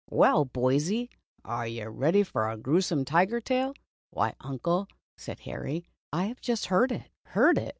*' Well boysie, are you ready for the grewsome tiger tale ?" "Why Uncle," said Harry, " I have just heard it." "Heard it?"